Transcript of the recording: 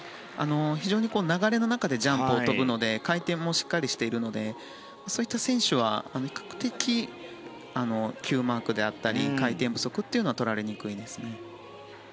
流れの中でジャンプを跳ぶので回転もしっかりしているのでそういった選手は比較的ｑマークであったり回転不足はとられにくいですね。